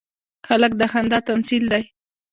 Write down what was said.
هلک د خندا تمثیل دی.